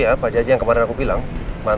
apa yang berlangsungnya kamu